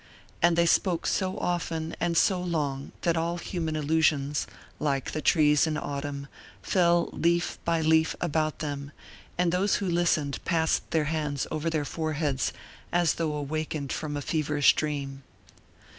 And they spoke so often and so long that all human illusions, like the trees in autumn, fell leaf by leaf about them, and those who listened passed their hands over their foreheads as though awakened from a feverish dream.